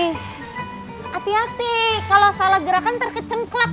hati hati kalau salah gerakan terkecengklak